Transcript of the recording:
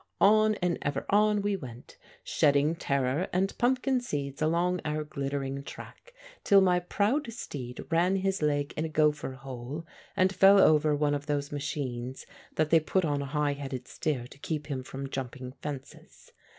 On and ever on we went, shedding terror and pumpkin seeds along our glittering track till my proud steed ran his leg in a gopher hole and fell over one of those machines that they put on a high headed steer to keep him from jumping fences.